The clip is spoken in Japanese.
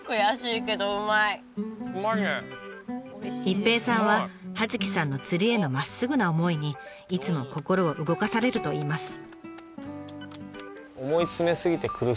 一平さんは葉月さんの釣りへのまっすぐな思いにいつも心を動かされるといいます。